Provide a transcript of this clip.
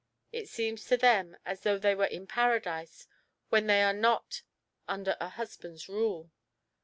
It seems to them as though they were in Paradise when they are not under a husband's rule.